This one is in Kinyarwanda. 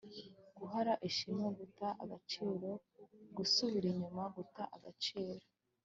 guhara ishema guta agaciro, gusubira inyuma, guta agaciro